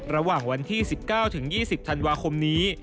ระหว่างวันที่๑๙๒๐ธันวาคมนี้